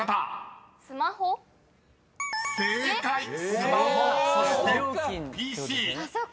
「スマホ」そして「ＰＣ」］